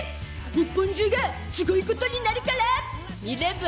日本中がすごいことになるから見れば？